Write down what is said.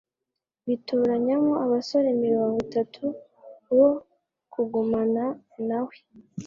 bitoranyamo abasore mirongo itatu bo kugumana na we